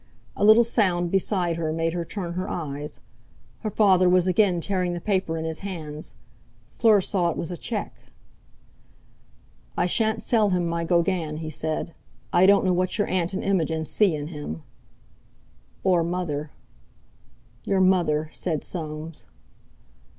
A little sound beside her made her turn her eyes; her father was again tearing the paper in his hands. Fleur saw it was a cheque. "I shan't sell him my Gauguin," he said. "I don't know what your aunt and Imogen see in him." "Or Mother." "Your mother!" said Soames.